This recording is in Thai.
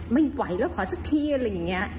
ไม่ไหวแล้วขอสักทีอะไรอย่างนี้